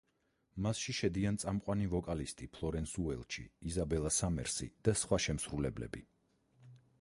მასში შედიან წამყვანი ვოკალისტი ფლორენს უელჩი, იზაბელა სამერსი და სხვა შემსრულებლები.